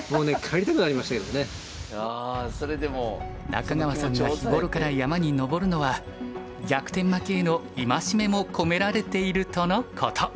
中川さんが日頃から山に登るのは逆転負けへの戒めも込められているとのこと。